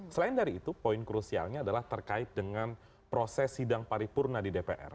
selain dari itu poin krusialnya adalah terkait dengan proses sidang paripurna di dpr